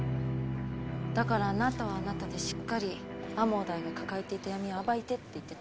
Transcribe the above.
だからあなたはあなたでしっかり天羽大が抱えていた闇を暴いてって言ってた。